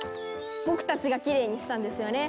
僕たちがきれいにしたんですよね！